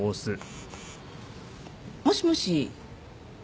もしもし？